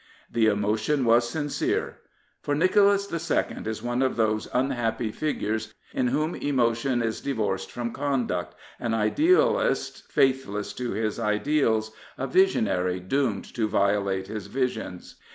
" The emotion was sincere. For Nicholas II. is one of those unhappy figures in whom emotion is divorced from conduct, an idealist faithless to his ideals, a visionary doomed to violate his visions.